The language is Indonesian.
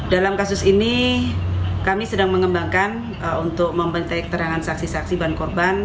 dalam kasus ini kami sedang mengembangkan untuk membentuk terangan saksi saksi dan korban